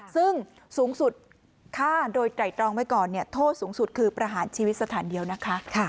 ซึ่งสูงสุดฆ่าโดยไตรตรองไว้ก่อนโทษสูงสุดคือประหารชีวิตสถานเดียวนะคะ